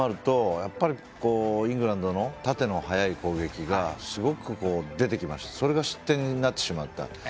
やっぱりイングランドの縦の速い攻撃がすごく出てきてそれが失点になってしまった。